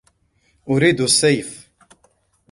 أريد السيف!